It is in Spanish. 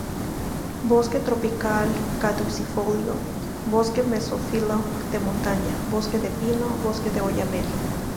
Bosque tropical caducifolio, Bosque mesófilo de montaña, Bosque de Pino, Bosque de Oyamel.